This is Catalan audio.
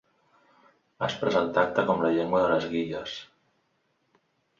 Aspres al tacte com la llengua de les guilles.